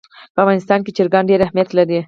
په افغانستان کې چرګان ډېر اهمیت لري.